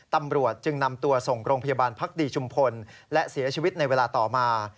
ตำรวจจึงนำตัวส่งโรงพยาบาลพักดีชุมพลและเสียชีวิตในเวลาต่อมา